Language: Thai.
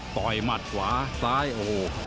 ตอยหมัดขวาซ้าโอ